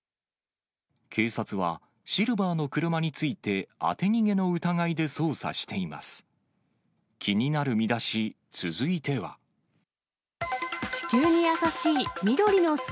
警察は、シルバーの車について、当て逃げの疑いで捜査しています。